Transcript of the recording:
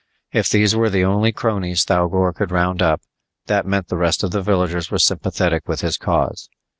If these were the only cronies Thougor could round up, that meant the rest of the villagers were sympathetic with his cause.